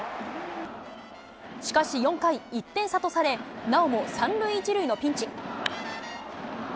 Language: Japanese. しかし４回、１点差とされ、なおも３塁１塁のピンチ。